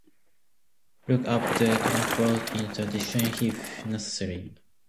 Look up their transcriptions in the dictionary if necessary.